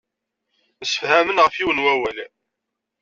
Msefhamen ɣef yiwen wawal.